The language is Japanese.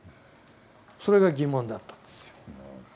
それが疑問だったんですよ。